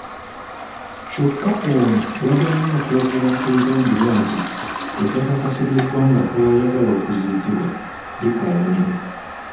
Kyokka ono yagaanye okwogera ku bigambibwa nti ettaka Kasirye Gwanga kwayagala okuziikibwa likaayanirwa.